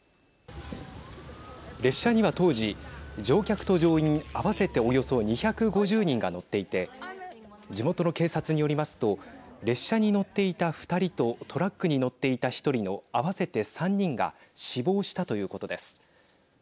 列車には当時乗客と乗員、合わせておよそ２５０人が乗っていて地元の警察によりますと列車に乗っていた２人とトラックに乗っていた１人の合わせて３人が死亡したということです。